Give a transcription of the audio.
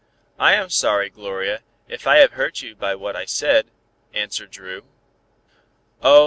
"I am sorry, Gloria, if I have hurt you by what I said," answered Dru. "Oh!